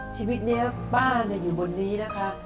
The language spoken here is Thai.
ชีวิตเนี่ยบ้านเนี่ยอยู่บนนี้นะคะ